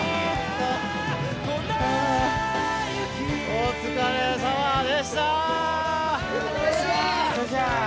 お疲れさまでした。